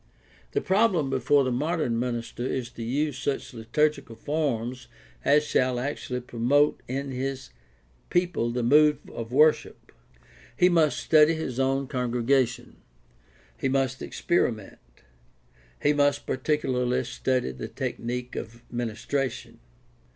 The problem before the modern minister is to use such liturgical forms as shall actually promote in his people the mood of worship. He must study his own congregation. He must experiment. He must particularly study the technique of ministration.